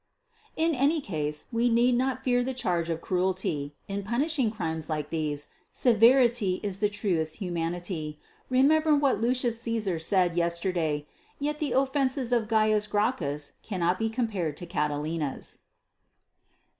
_In any case we need not fear the charge of cruelty. In punishing crimes like these, severity is the truest humanity. Remember what L. Caesar said yesterday; yet the offences of C. Gracchus cannot be compared to Catilina's.